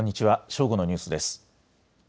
正午のニュースです。